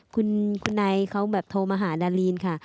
คุณนายเขาแบบโทรมาหาดาลีนค่ะ